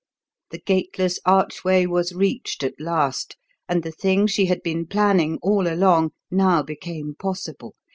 The gateless archway was reached at last; and the thing she had been planning all along now became possible.